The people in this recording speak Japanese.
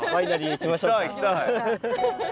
行きたい行きたい。